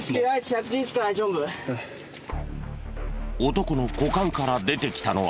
男の股間から出てきたのは。